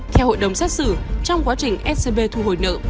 theo hội đồng xét xử trong quá trình scb thu hồi nợ